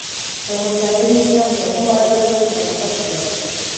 د هوساینې ژوند د ښو اړیکو پر بنسټ دی.